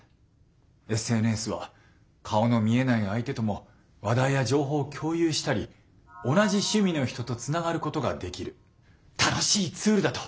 ＳＮＳは顔の見えない相手とも話題や情報を共有したり同じ趣味の人とつながることができる楽しいツールだと私も思います。